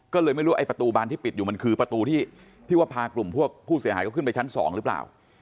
ก็เลยไม่รู้ไอ้ประตูบานที่ปิดอยู่มันคือประตูที่ว่าพากลุ่มพวกผู้เสียหายเขาขึ้นไปชั้น๒หรือเปล่า